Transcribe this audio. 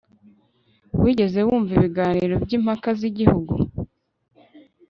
wigeze wumva ibiganiro byimpaka zigihugu